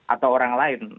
atau orang lain